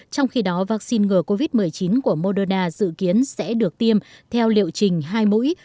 trong khi đó vaccine ngừa covid một mươi chín của moderna dự kiến sẽ được tiêm theo liệu trình hai mũi